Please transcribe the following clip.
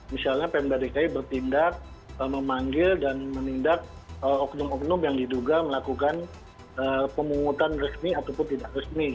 misalnya pemda dki bertindak memanggil dan menindak oknum oknum yang diduga melakukan pemungutan resmi ataupun tidak resmi